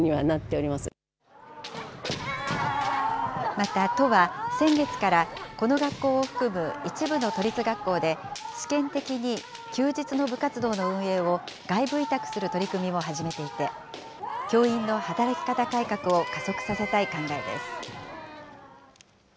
また都は、先月からこの学校を含む一部の都立学校で、試験的に休日の部活動の運営を外部委託する取り組みも始めていて、教員の働き方改革を加速させたい考えです。